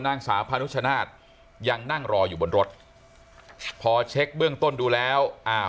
นางสาวพานุชนาธิ์ยังนั่งรออยู่บนรถพอเช็คเบื้องต้นดูแล้วอ่า